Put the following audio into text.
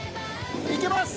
いけます！